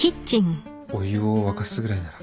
お湯を沸かすぐらいなら。